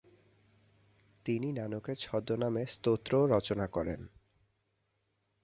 তিনি নানকের ছদ্মনামে স্তোত্রও রচনা করেন।